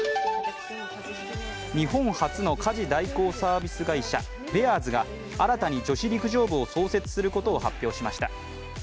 日本初の家事代行サービス会社、ベアーズが新たに女子陸上部を創設することを発表しました。